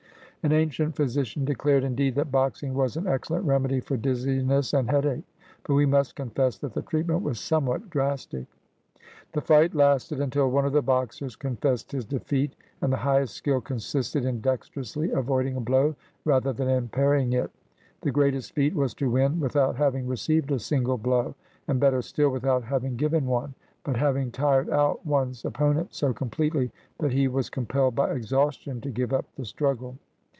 An ancient physician declared, indeed, that boxing was an excellent remedy for dizziness and headache, but we must confess that the treatment was somewhat drastic. The fight lasted until one of the boxers confessed his defeat, and the highest skill consisted in dexterously avoiding a blow rather than in parrying it; the greatest feat was to win without having received a single blow, and, better still, without having given one, but having tired out one's opponent so completely that he was com pelled by exhaustion to give up the struggle.